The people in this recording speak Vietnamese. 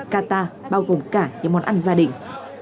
qatar bao gồm cả những món ăn gia đình